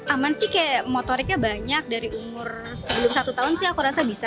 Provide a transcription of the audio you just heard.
aman sih kayak motoriknya banyak dari umur sebelum satu tahun sih aku rasa bisa